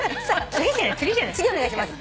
次お願いします。